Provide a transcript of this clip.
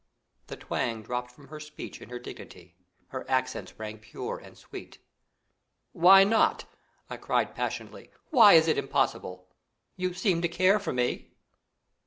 The twang dropped from her speech in her dignity; her accents rang pure and sweet. "Why not?" I cried passionately. "Why is it impossible? You seemed to care for me."